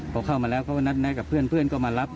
พอเข้ามาแล้วเขาก็นัดแนะกับเพื่อนก็มารับ